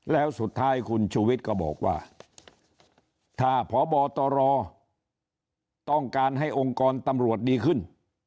แล้วสุดท้ายคุณชูวิทย์ก็บอกว่าถ้าพบตรต้องการให้องค์กรตำรวจดีขึ้น